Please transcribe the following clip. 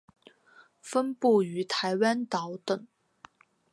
分布于台湾岛等。